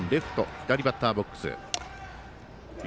左バッターボックス。